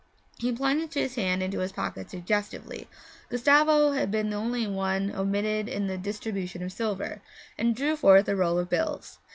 He plunged his hand into his pocket suggestively Gustavo had been the only one omitted in the distribution of silver and drew forth a roll of bills.